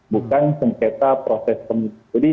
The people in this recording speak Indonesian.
bukan sengketa proses pemilu